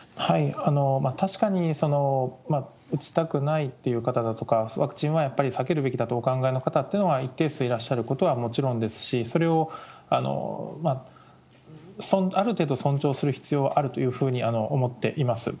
確かに、打ちたくないという方だとか、ワクチンはやっぱり避けるべきだとお考えの方っていうのは一定数いらっしゃることはもちろんですし、それをある程度尊重する必要はあるというふうに思っています。